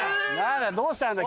どうしたんだ？